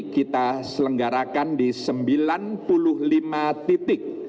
kita selenggarakan di sembilan puluh lima titik